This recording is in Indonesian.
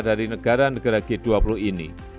dari negara negara g dua puluh ini